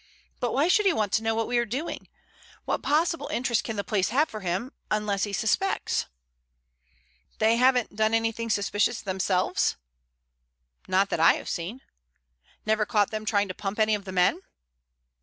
But why should he want to know what we are doing? What possible interest can the place have for him—unless he suspects?" "They haven't done anything suspicious themselves?" "Not that I have seen." "Never caught them trying to pump any of the men?"